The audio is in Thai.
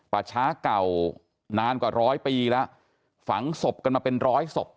ป่าช้าเก่านานกว่าร้อยปีแล้วฝังศพกันมาเป็นร้อยศพ